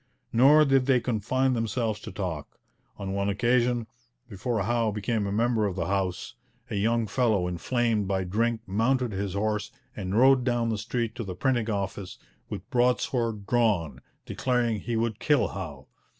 Nor did they confine themselves to talk. On one occasion, before Howe became a member of the House, a young fellow inflamed by drink mounted his horse and rode down the street to the printing office, with broadsword drawn, declaring he would kill Howe.